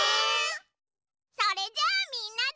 それじゃあみんなで。